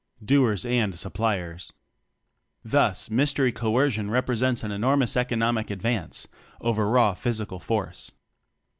Doers and Suppliers. Thus mystery coercion represents an enormous economic advance over raw physical force.